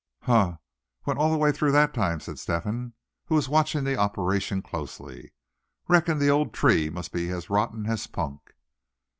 "Huh! went all the way through, that time," said Step hen, who was watching the operation closely; "reckon the old tree must be as rotten as punk."